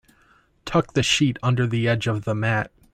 Tuck the sheet under the edge of the mat.